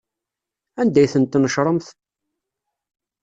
Anda ay tent-tnecṛemt?